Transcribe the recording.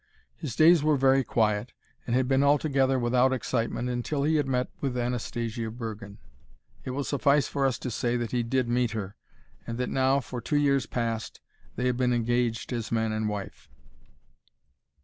His days were very quiet, and had been altogether without excitement until he had met with Anastasia Bergen. It will suffice for us to say that he did meet her, and that now, for two years past, they had been engaged as man and wife.